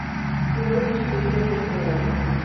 Y luego yo escribí el resto de la letra.